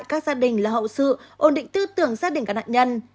các gia đình là hậu sự ổn định tư tưởng gia đình các nạn nhân